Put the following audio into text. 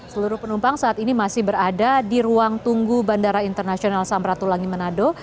seluruh penumpang saat ini masih berada di ruang tunggu bandara internasional samratulangi manado